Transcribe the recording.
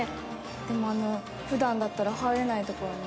でもあの普段だったら入れない所に。